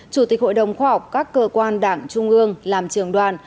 chủ tịch hội đồng khoa học các cơ quan đảng trung ương làm trường đoàn